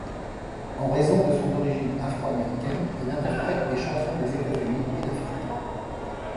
En raison de son origine afro-américaine, il interprète des chansons des États-Unis et d'Afrique.